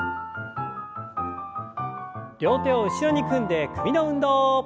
両手を後ろに組んで首の運動。